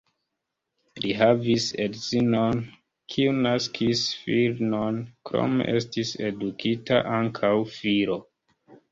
Li havis edzinon, kiu naskis filinon, krome estis edukita ankaŭ filo.